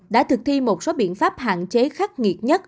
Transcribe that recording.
đã thực thi một số biện pháp hạn chế khắc nghiệt nhất